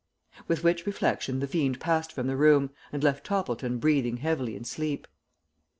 With which reflection the fiend passed from the room, and left Toppleton breathing heavily in sleep.